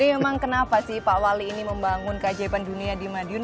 jadi emang kenapa sih pak wali ini membangun keajaiban dunia di madiun